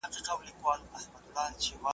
پاچاهان یو په ټولۍ کي د سیالانو ,